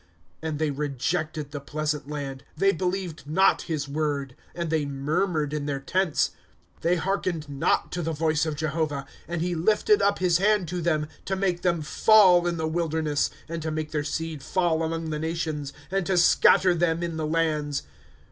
^* And they rejected the pleasant land ; They believed not his word. *^ And they murmured in their tents ; They hearlfened not to the voice of Jehovah. ^^ And he lifted up his hand to them, To make them fall in the wilderness ;'^'' And to make their seed fall among the nations. And to scatter them in the lands.